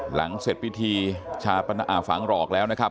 หลังเสร็จพิธีชาปฝังหลอกแล้วนะครับ